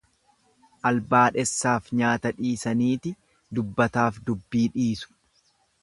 Albaadhessaaf nyaata dhiisaniiti dubbataaf dubbii dhiisu.